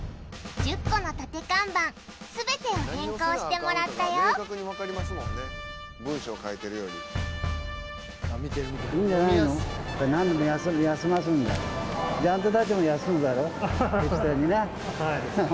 １０個の立て看板全てを変更してもらったよおとうさん！